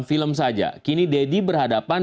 film saja kini deddy berhadapan